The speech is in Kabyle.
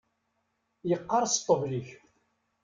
Yeqqerṣ ṭṭbel-ik.